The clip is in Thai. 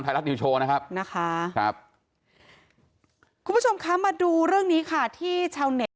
ทายลักษณีย์โชว์นะครับนะคะครับคุณผู้ชมค่ะมาดูเรื่องนี้ค่ะที่เช้าเน็ต